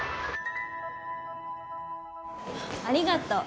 ありがとう。